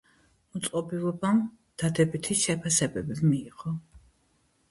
მოწყობილობამ დადებითი შეფასებები მიიღო.